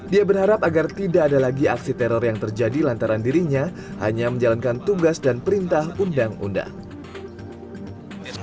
dia berharap agar tidak ada lagi aksi teror yang terjadi lantaran dirinya hanya menjalankan tugas dan perintah undang undang